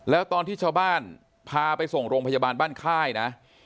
แล้วตอนที่ชาวบ้านพาไปส่งโรงพยาบาลบ้านค่ายนะ